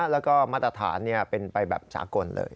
แล้วก็มาตรฐานเป็นไปแบบสากลเลย